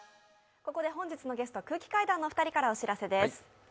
ここで空気階段のお二人からお知らせです。